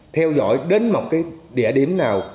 theo dõi đến một địa điểm nào